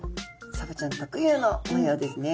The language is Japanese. サバちゃん特有の模様ですね。